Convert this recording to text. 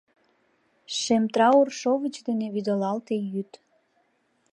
Шем траур шовыч дене вӱдылалте йӱд